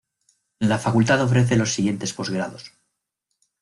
La Facultad ofrece los siguientes posgrados.